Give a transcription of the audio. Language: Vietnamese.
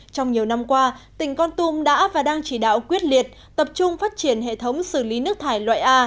trong nhiều năm qua tỉnh con tum đã và đang chỉ đạo quyết liệt tập trung phát triển hệ thống xử lý nước thải loại a